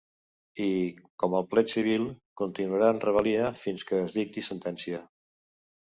I, com el plet civil, continuarà en rebel·lia fins que es dicti sentència.